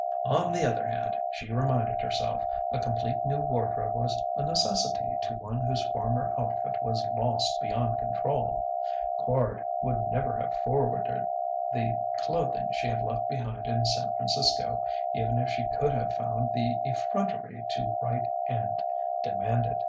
On the other hand, she reminded herself, a complete new wardrobe was a necessity to one whose former outfit was lost beyond recall. Quard would never have forwarded the clothing she had left behind in San Francisco, even if she could have found the effrontery to write and demand it.